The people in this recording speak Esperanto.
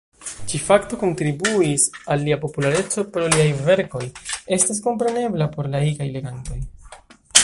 Ĉi-fakto kontribuis al lia populareco pro liaj verkoj estas komprenebla por laikaj legantoj.